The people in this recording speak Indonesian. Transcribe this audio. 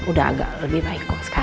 udah agak lebih naik kok sekarang